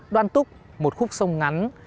đoan túc một khúc sông ngắn